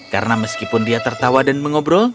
karena meskipun dia tertawa dan mengobrol